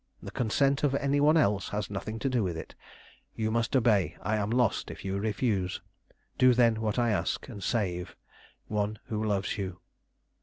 The consent of any one else has nothing to do with it. You must obey. I am lost if you refuse. Do then what I ask, and save "ONE WHO LOVES YOU."